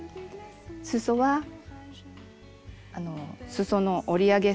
すそはすその折り上げ